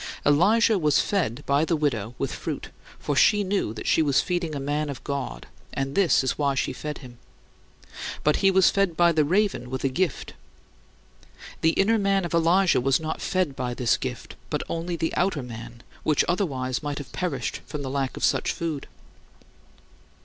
Elijah was fed by the widow with "fruit," for she knew that she was feeding a man of God and this is why she fed him. But he was fed by the raven with a "gift." The inner man of Elijah was not fed by this "gift," but only the outer man, which otherwise might have perished from the lack of such food.